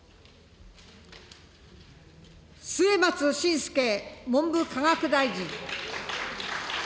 末松信介文部科学大臣。